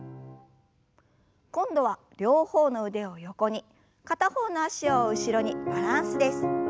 今度は両方の腕を横に片方の脚を後ろにバランスです。